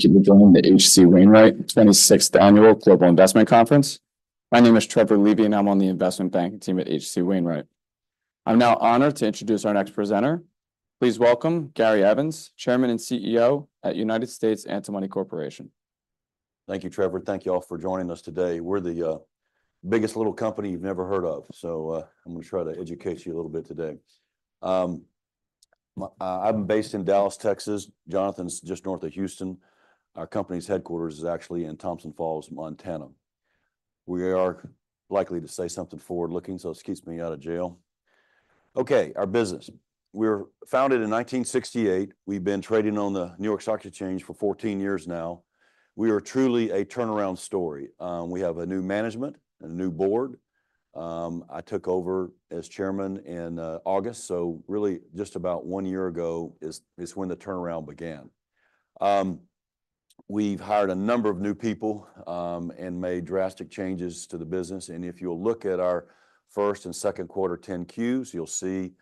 Thank you for joining the H.C. Wainwright 26th Annual Global Investment Conference. My name is Trevor Liebing, and I'm on the investment banking team at H.C. Wainwright. I'm now honored to introduce our next presenter. Please welcome Gary Evans, Chairman and CEO at United States Antimony Corporation. Thank you, Trevor. Thank you all for joining us today. We're the biggest little company you've never heard of, so I'm gonna try to educate you a little bit today. I'm based in Dallas, Texas. Jonathan's just north of Houston. Our company's headquarters is actually in Thompson Falls, Montana. We are likely to say something forward-looking, so this keeps me out of jail. Okay, our business. We were founded in 1968. We've been trading on the New York Stock Exchange for 14 years now. We are truly a turnaround story. We have a new management and a new board. I took over as chairman in August, so really just about one year ago is when the turnaround began. We've hired a number of new people, and made drastic changes to the business, and if you'll look at our Q1 and Q2 10-Qs, you'll see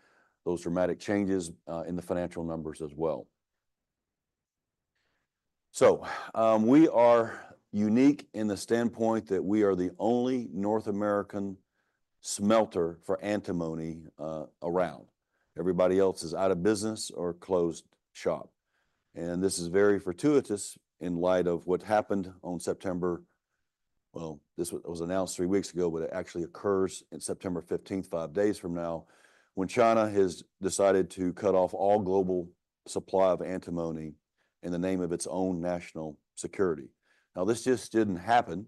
those dramatic changes in the financial numbers as well. So, we are unique in the standpoint that we are the only North American smelter for antimony around. Everybody else is out of business or closed shop, and this is very fortuitous in light of what happened on September. This was announced three weeks ago, but it actually occurs in September 15th, five days from now, when China has decided to cut off all global supply of antimony in the name of its own national security. Now, this just didn't happen.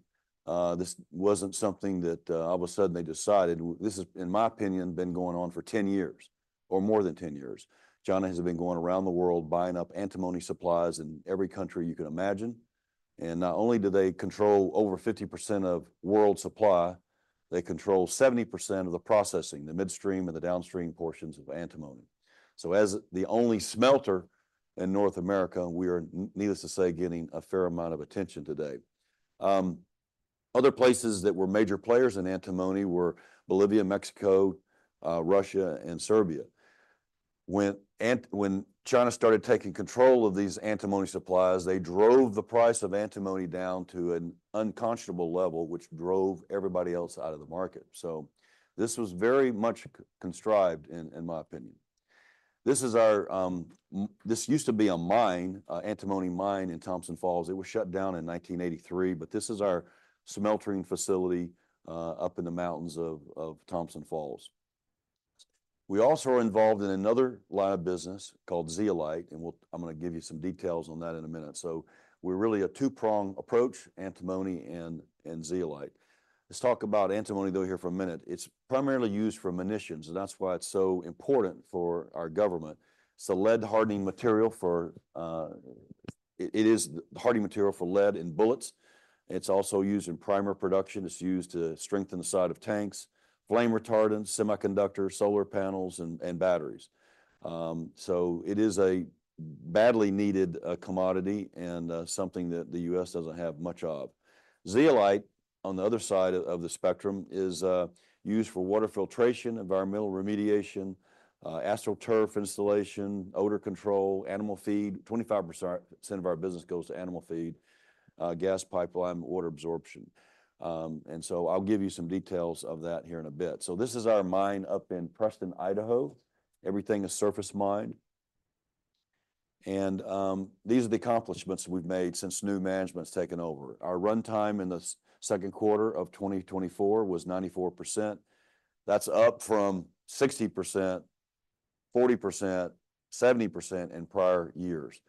This wasn't something that all of a sudden they decided. This has, in my opinion, been going on for 10 years, or more than 10 years. China has been going around the world buying up antimony supplies in every country you can imagine, and not only do they control over 50% of world supply, they control 70% of the processing, the midstream and the downstream portions of antimony. So as the only smelter in North America, we are, needless to say, getting a fair amount of attention today. Other places that were major players in antimony were Bolivia, Mexico, Russia, and Serbia. When China started taking control of these antimony supplies, they drove the price of antimony down to an unconscionable level, which drove everybody else out of the market. So this was very much contrived, in my opinion. This is our, this used to be a mine, an antimony mine in Thompson Falls. It was shut down in 1983, but this is our smelting facility up in the mountains of Thompson Falls. We also are involved in another line of business called zeolite, and we'll. I'm gonna give you some details on that in a minute. We're really a two-prong approach, antimony and zeolite. Let's talk about antimony, though, here for a minute. It's primarily used for munitions, and that's why it's so important for our government. It's a lead-hardening material for. It is the hardening material for lead in bullets. It's also used in primer production. It's used to strengthen the side of tanks, flame retardant, semiconductor, solar panels, and batteries. So it is a badly needed commodity and something that the U.S. doesn't have much of. Zeolite, on the other side of the spectrum, is used for water filtration, environmental remediation, AstroTurf installation, odor control, animal feed. 25% of our business goes to animal feed, gas pipeline, water absorption. And so I'll give you some details of that here in a bit. So this is our mine up in Preston, Idaho. Everything is surface mined. And these are the accomplishments we've made since new management's taken over. Our runtime in the second quarter of 2024 was 94%. That's up from 60%, 40%, and 70% in prior years.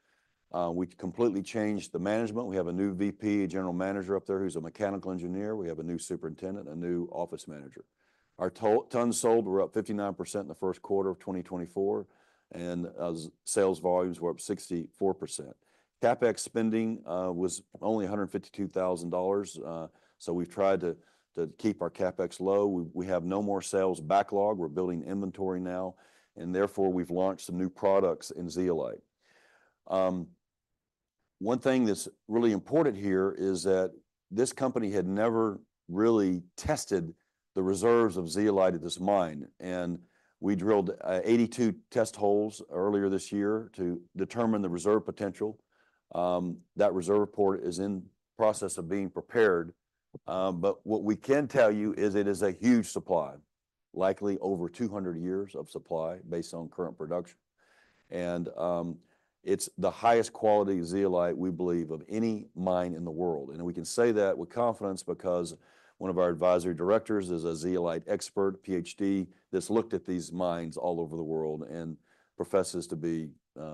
We completely changed the management. We have a new VP, a general manager up there, who's a mechanical engineer. We have a new superintendent, a new office manager. Our tons sold were up 59% in the Q1 of 2024, and sales volumes were up 64%. CapEx spending was only $152,000, so we've tried to keep our CapEx low. We have no more sales backlog. We're building inventory now, and therefore, we've launched some new products in zeolite. One thing that's really important here is that this company had never really tested the reserves of zeolite at this mine, and we drilled 82 test holes earlier this year to determine the reserve potential. That reserve report is in process of being prepared, but what we can tell you is it is a huge supply, likely over 200 years of supply, based on current production. It's the highest quality zeolite, we believe, of any mine in the world, and we can say that with confidence because one of our advisory directors is a zeolite expert, PhD, that's looked at these mines all over the world and professes to be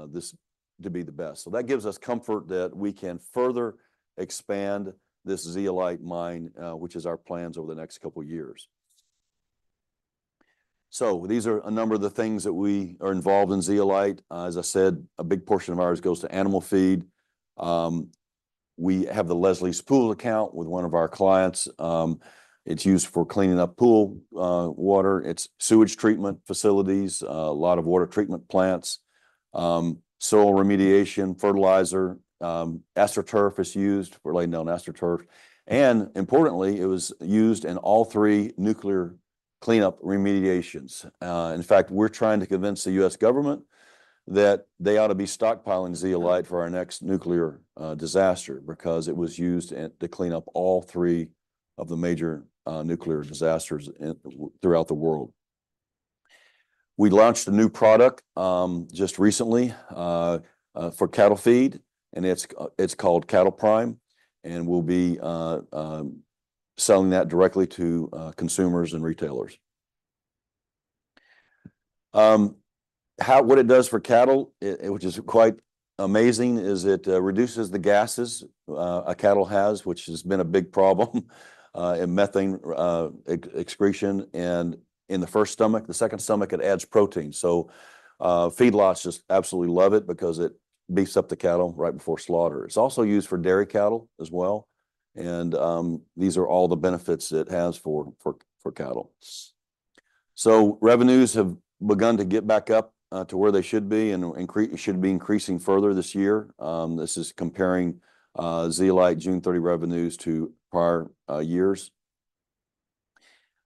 this to be the best. So that gives us comfort that we can further expand this zeolite mine, which is our plans over the next couple of years. So these are a number of the things that we are involved in zeolite. As I said, a big portion of ours goes to animal feed. We have the Leslie's Pool account with one of our clients. It's used for cleaning up pool water. It's sewage treatment facilities, a lot of water treatment plants, soil remediation, fertilizer. AstroTurf is used. We're laying down AstroTurf, and importantly, it was used in all three nuclear cleanup remediations. In fact, we're trying to convince the U.S. government that they ought to be stockpiling zeolite for our next nuclear disaster, because it was used to clean up all three of the major nuclear disasters throughout the world. We launched a new product just recently for cattle feed, and it's called Cattle Prime, and we'll be selling that directly to consumers and retailers. What it does for cattle, which is quite amazing, is it reduces the gases a cattle has, which has been a big problem in methane excretion, and in the first stomach, the second stomach, it adds protein. Feedlots just absolutely love it, because it beefs up the cattle right before slaughter. It's also used for dairy cattle as well, and these are all the benefits it has for cattle. Revenues have begun to get back up to where they should be, and should be increasing further this year. This is comparing zeolite 30 June revenues to prior years.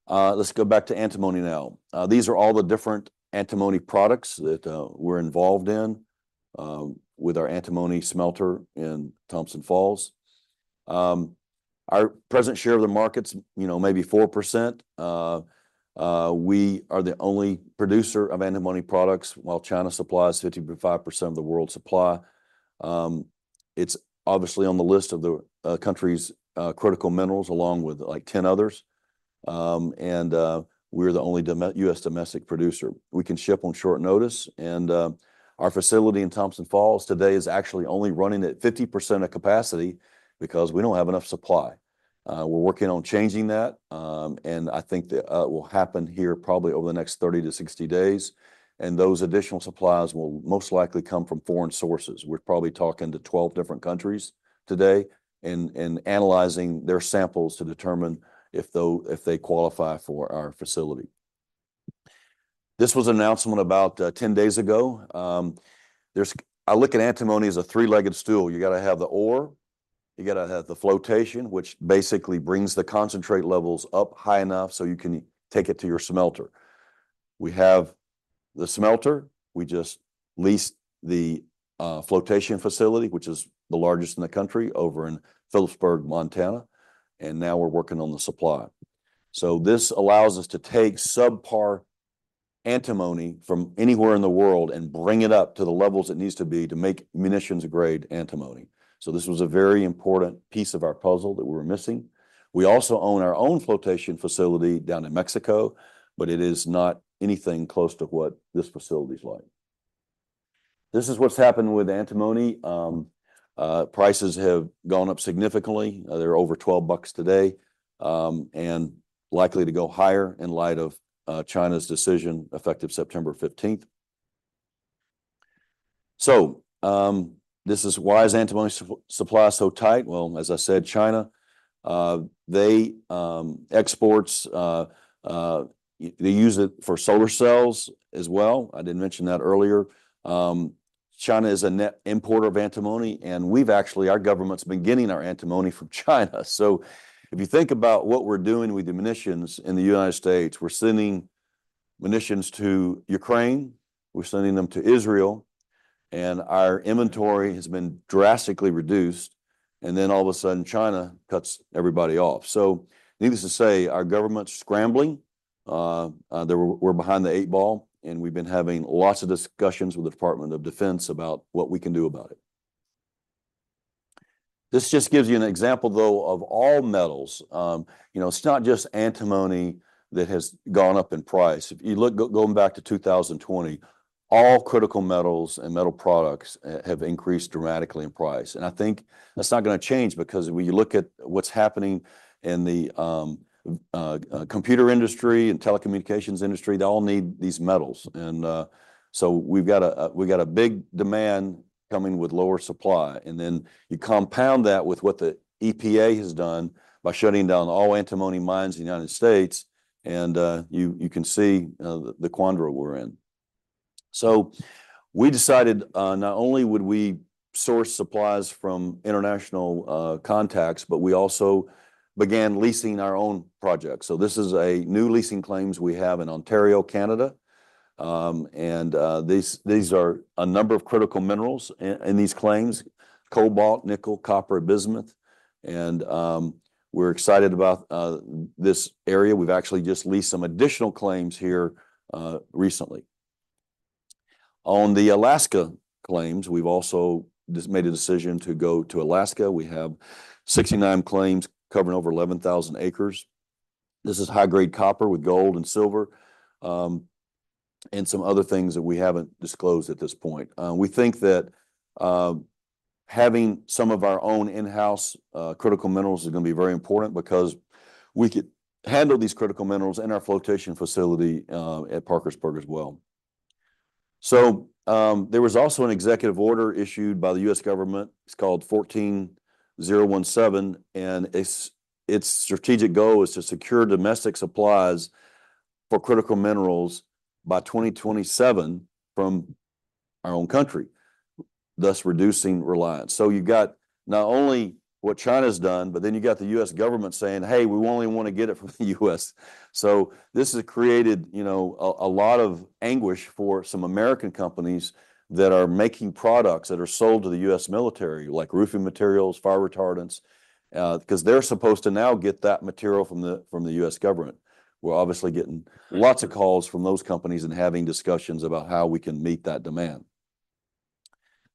Let's go back to antimony now. These are all the different antimony products that we're involved in with our antimony smelter in Thompson Falls. Our present share of the market's, you know, maybe 4%. We are the only producer of antimony products, while China supplies 55% of the world's supply. It's obviously on the list of the country's critical minerals, along with, like, 10 others. We're the only domestic U.S. producer. We can ship on short notice, and our facility in Thompson Falls today is actually only running at 50% of capacity, because we don't have enough supply. We're working on changing that, and I think that will happen here probably over the next 30 to 60 days, and those additional supplies will most likely come from foreign sources. We're probably talking to 12 different countries today and analyzing their samples to determine if they qualify for our facility. This was an announcement about 10 days ago. I look at antimony as a three-legged stool. You've gotta have the ore. You've gotta have the flotation, which basically brings the concentrate levels up high enough so you can take it to your smelter. We have the smelter. We just leased the flotation facility, which is the largest in the country, over in Philipsburg, Montana, and now we're working on the supply. So this allows us to take subpar antimony from anywhere in the world and bring it up to the levels it needs to be to make munitions-grade antimony. So this was a very important piece of our puzzle that we were missing. We also own our own flotation facility down in Mexico, but it is not anything close to what this facility's like. This is what's happened with antimony. Prices have gone up significantly. They're over $12 today and likely to go higher in light of China's decision, effective September 15th. So this is why is antimony supply so tight? Well, as I said, China they exports. They use it for solar cells as well. I didn't mention that earlier. China is a net importer of antimony, and we've actually, our government's been getting our antimony from China. So if you think about what we're doing with the munitions in the United States, we're sending munitions to Ukraine, we're sending them to Israel, and our inventory has been drastically reduced, and then all of a sudden, China cuts everybody off. So needless to say, our government's scrambling. We're behind the eight ball, and we've been having lots of discussions with the Department of Defense about what we can do about it. This just gives you an example, though, of all metals. You know, it's not just antimony that has gone up in price. If you look, going back to 2020, all critical metals and metal products have increased dramatically in price, and I think that's not gonna change. Because when you look at what's happening in the computer industry and telecommunications industry, they all need these metals, and so we've got a big demand coming with lower supply, and then you compound that with what the EPA has done by shutting down all antimony mines in the United States, and you can see the quandary we're in, so we decided not only would we source supplies from international contacts, but we also began leasing our own projects, so this is a new leased claims we have in Ontario, Canada. These are a number of critical minerals in these claims, cobalt, nickel, copper, bismuth, and we're excited about this area. We've actually just leased some additional claims here recently. On the Alaska claims, we've also just made a decision to go to Alaska. We have 69 claims covering over 11,000 acres. This is high-grade copper with gold and silver, and some other things that we haven't disclosed at this point. We think that having some of our own in-house critical minerals is gonna be very important, because we could handle these critical minerals in our flotation facility at Philipsburg as well. There was also an executive order issued by the U.S. government. It's called 14017, and its strategic goal is to secure domestic supplies for critical minerals by 2027 from our own country. thus reducing reliance. So you've got not only what China's done, but then you've got the U.S. government saying, "Hey, we only want to get it from the U.S." So this has created, you know, a lot of anguish for some American companies that are making products that are sold to the U.S. military, like roofing materials, fire retardants, 'cause they're supposed to now get that material from the U.S. government. We're obviously getting lots of calls from those companies and having discussions about how we can meet that demand.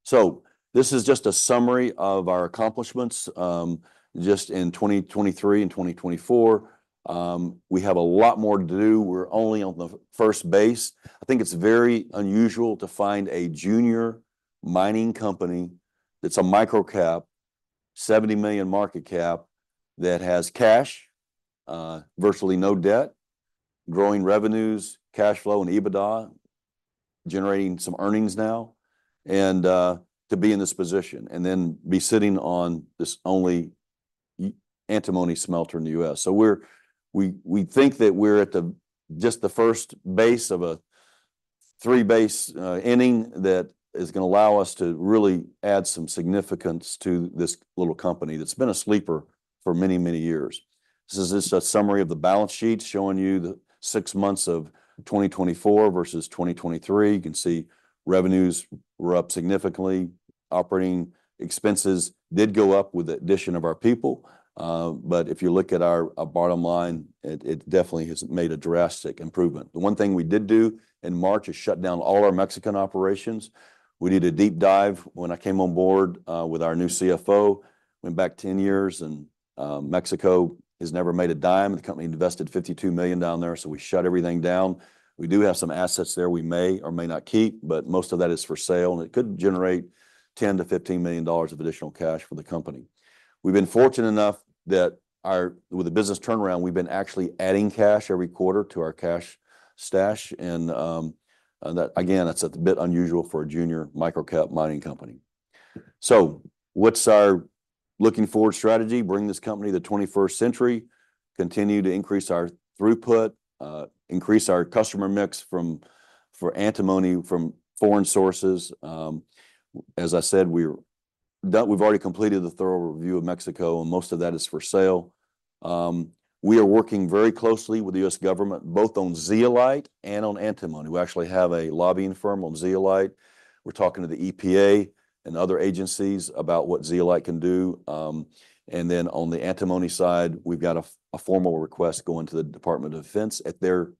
So this is just a summary of our accomplishments, just in 2023 and 2024. We have a lot more to do. We're only on the first base. I think it's very unusual to find a junior mining company that's a micro-cap, 70 million market cap, that has cash, virtually no debt, growing revenues, cash flow, and EBITDA, generating some earnings now, and to be in this position, and then be sitting on this only antimony smelter in the US. So we think that we're at just the first base of a three-base inning that is gonna allow us to really add some significance to this little company that's been a sleeper for many, many years. This is just a summary of the balance sheet, showing you the six months of 2024 versus 2023. You can see revenues were up significantly. Operating expenses did go up with the addition of our people. But if you look at our bottom line, it definitely has made a drastic improvement. The one thing we did do in March is shut down all our Mexican operations. We did a deep dive when I came on board with our new CFO. Went back 10 years, and Mexico has never made a dime. The company invested $52 million down there, so we shut everything down. We do have some assets there we may or may not keep, but most of that is for sale, and it could generate $10-$15 million of additional cash for the company. We've been fortunate enough that with the business turnaround, we've been actually adding cash every quarter to our cash stash, and that again, that's a bit unusual for a junior micro-cap mining company. So what's our looking-forward strategy? Bring this company to the 21st century, continue to increase our throughput, increase our customer mix from foreign sources for antimony. As I said, we've already completed the thorough review of Mexico, and most of that is for sale. We are working very closely with the U.S. government, both on zeolite and on antimony. We actually have a lobbying firm on zeolite. We're talking to the EPA and other agencies about what zeolite can do. And then on the antimony side, we've got a formal request going to the Department of Defense at their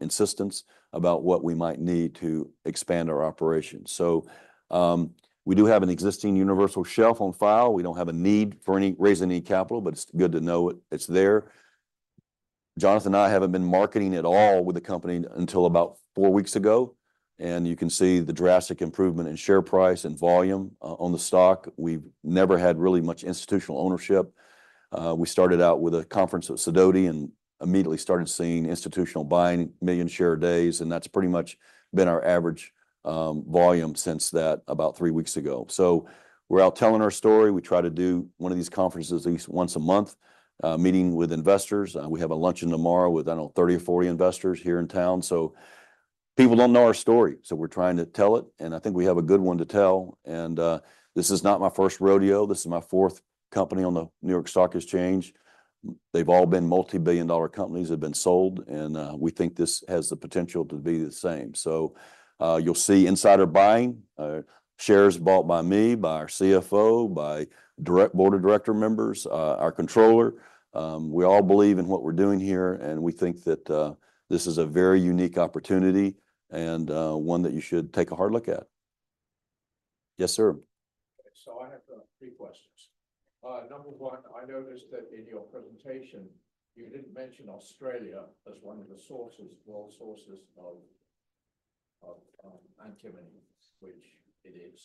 insistence, about what we might need to expand our operations. We do have an existing universal shelf on file. We don't have a need to raise any capital, but it's good to know it's there. Jonathan and I haven't been marketing at all with the company until about four weeks ago, and you can see the drastic improvement in share price and volume on the stock. We've never had really much institutional ownership. We started out with a conference at Sidoti and immediately started seeing institutional buying, million share days, and that's pretty much been our average volume since that, about three weeks ago. So we're out telling our story. We try to do one of these conferences at least once a month, meeting with investors. We have a luncheon tomorrow with, I don't know, 30 or 40 investors here in town, so people don't know our story, so we're trying to tell it, and I think we have a good one to tell, and this is not my first rodeo. This is my fourth company on the New York Stock Exchange. They've all been multi-billion-dollar companies that have been sold, and we think this has the potential to be the same. So, you'll see insider buying, shares bought by me, by our CFO, by direct board of director members, our controller. We all believe in what we're doing here, and we think that this is a very unique opportunity and one that you should take a hard look at. Yes, sir? I have three questions. Number one, I noticed that in your presentation, you didn't mention Australia as one of the sources, world sources of antimony, which it is.